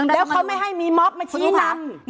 แล้วเขาไม่ให้มีมอบมาชี้นำ